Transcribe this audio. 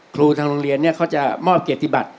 ทางโรงเรียนเนี่ยเขาจะมอบเกียรติบัติ